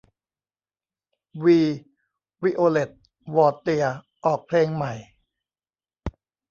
วี วิโอเล็ต วอเตียร์ ออกเพลงใหม่